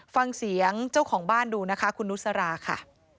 ฟังเสียงเจ้าของบ้านดูนะคะคุณนุสราค่ะ